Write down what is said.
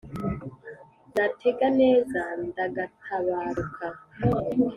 Natega neza ndagatabaruka.